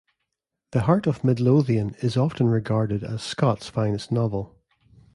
"The Heart of Midlothian" is often regarded as Scott's finest novel.